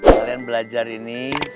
kalian belajar ini